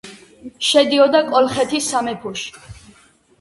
შედიოდა კოლხეთის სამეფოში.